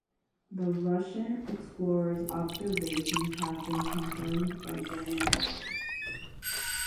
The Russian explorer's observations have been confirmed by German writers.